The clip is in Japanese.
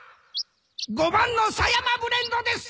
５番の狭山ブレンドです！